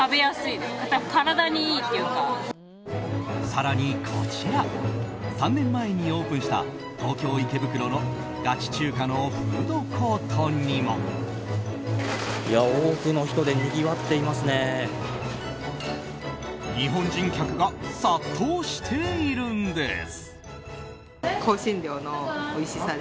更に、こちら３年前にオープンした東京・池袋のガチ中華のフードコートにも。日本人客が殺到しているんです。